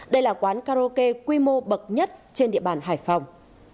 đây là quán karaoke quy mô bậc nhất trên địa bàn hải phòng